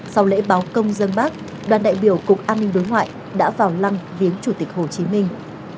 sau lễ báo công dân bác đoàn đại biểu cục an ninh đối ngoại đã vào lăng viếng chủ tịch hồ chí minh